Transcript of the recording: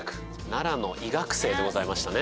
奈良の医学生でございましたね